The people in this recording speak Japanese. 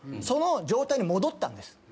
その状態に戻ったんです。